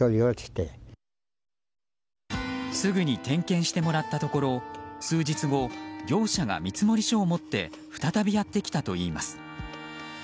すぐに点検してもらったところ数日後、業者が見積書を持って再びやってきたといいます。